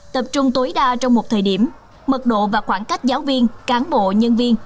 tập trung tối đa trong một thời điểm mật độ và khoảng cách giáo viên cán bộ nhân viên